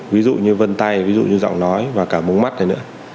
ví dụ như vân tay ví dụ như giọng nói và cả mống mắt này nữa